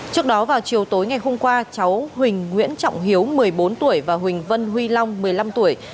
trước đó vào chiều tối ngày hôm qua cháu huỳnh nguyễn trọng hiếu một mươi bốn tuổi và huỳnh vân huy long một mươi năm tuổi